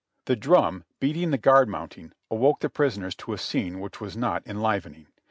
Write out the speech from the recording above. The drum beating for guard mounting awoke the prisoners to a scene which was not enlivening.